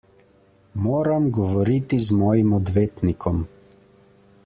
Moram govoriti z mojim odvetnikom.